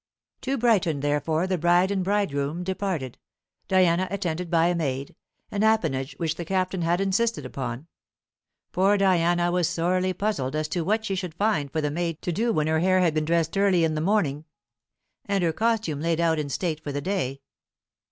To Brighton, therefore, the bride and bridegroom departed; Diana attended by a maid, an appanage which the Captain had insisted upon. Poor Diana was sorely puzzled as to what she should find for the maid to do when her hair had been dressed early in the morning, and her costume laid out in state for the day.